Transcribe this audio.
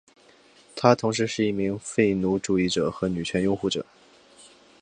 他同时是一名废奴主义者和女权拥护者。